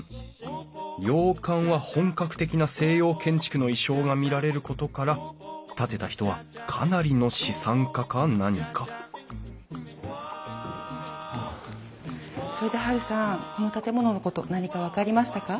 洋館は本格的な西洋建築の意匠が見られることから建てた人はかなりの資産家か何かそれでハルさんこの建物のこと何か分かりましたか？